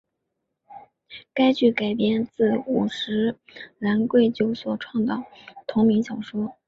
该剧改编自五十岚贵久所创作的同名小说。